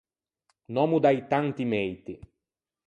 Un òmmo da-i tanti meiti.